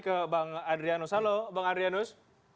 ke bang adrianus halo bang adrianus